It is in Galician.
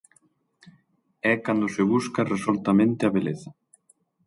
É cando se busca resoltamente a beleza.